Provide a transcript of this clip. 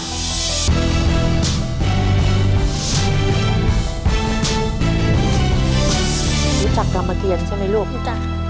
รู้จักรามเกียรใช่ไหมลูกรู้จัก